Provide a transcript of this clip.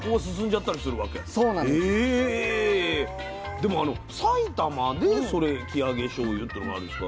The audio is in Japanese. でもあの埼玉でそれ生揚げしょうゆっていうのがあるんですか？